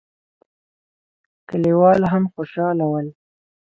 کليوال هم خوشاله ول.